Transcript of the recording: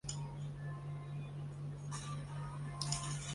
阿曼国家童军与女童军组织为阿曼的国家童军与女童军组织。